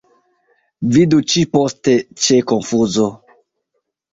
Vidu ĉi-poste ĉe Konfuzo.